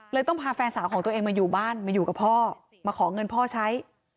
ต้องพาแฟนสาวของตัวเองมาอยู่บ้านมาอยู่กับพ่อมาขอเงินพ่อใช้